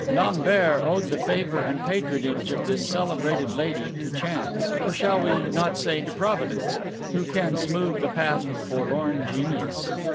Lambert owed the favor and patronage of this celebrated lady to chance, or shall we not say to Providence, who can smooth the path of forlorn genius?